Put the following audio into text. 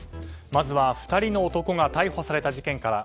まずは２人の男が逮捕された事件から。